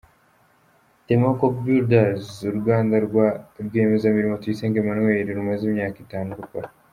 Temaco Builders, uruganda rwa rwiyemezamirimo Tuyisenge Emmanuel, rumaze imyaka itanu rukora.